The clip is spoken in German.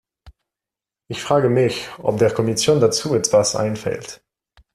Ich frage mich, ob der Kommission dazu etwas einfällt.